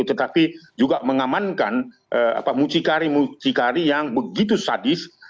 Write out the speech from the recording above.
tetapi juga mengamankan mucikari mucikari yang begitu sadis